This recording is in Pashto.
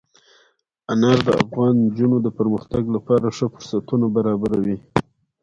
انار د افغان نجونو د پرمختګ لپاره ښه فرصتونه برابروي.